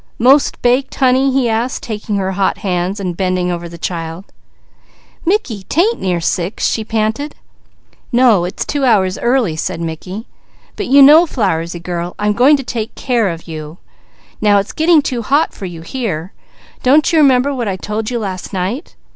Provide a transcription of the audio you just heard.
"Most baked honey?" he asked, taking her hot hands. "Mickey, 'tain't near six," she panted. "No it's two hours early," said Mickey. "But you know Flowersy girl, I'm going to take care of you. It's getting too hot for you. Don't you remember what I told you last night?"